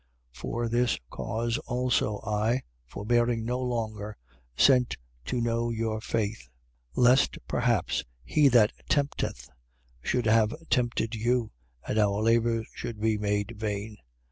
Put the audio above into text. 3:5. For this cause also, I, forbearing no longer, sent to know your faith: lest perhaps he that tempteth should have tempted you: and our labour should be made vain.